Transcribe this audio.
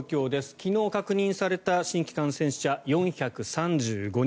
昨日確認された新規感染者４３５人。